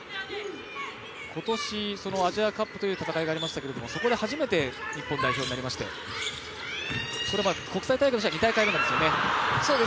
今年、アジアカップでの戦いがありましたけれどもそこで初めて日本代表になりまして国際大会２大会目なんですよね。